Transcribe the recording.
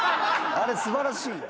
あれ素晴らしい？